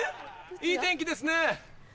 いい天気ですね。